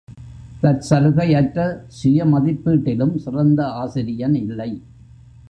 தற்சலுகையற்ற சுயமதிப்பீட்டிலும் சிறந்த ஆசிரியன் இல்லை.